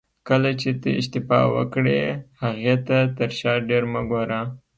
کله چې ته اشتباه وکړې هغې ته تر شا ډېر مه ګوره.